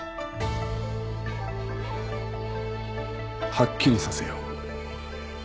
はっきりさせよう。